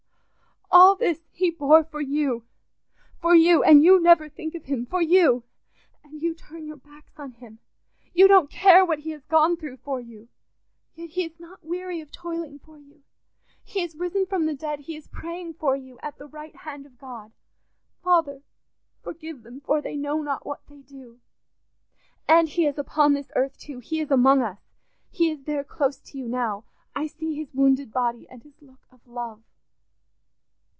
"All this he bore for you! For you—and you never think of him; for you—and you turn your backs on him; you don't care what he has gone through for you. Yet he is not weary of toiling for you: he has risen from the dead, he is praying for you at the right hand of God—'Father, forgive them, for they know not what they do.' And he is upon this earth too; he is among us; he is there close to you now; I see his wounded body and his look of love."